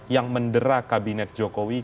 yang mendera kabinet jokowi